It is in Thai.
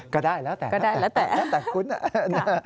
ก็ได้แล้วแต่คุณหน่อย